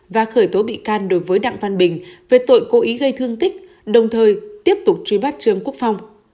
và khởi tố bị can đối với đặng văn bình về tội cố ý gây thương tích đồng thời tiếp tục truy bắt trương quốc phong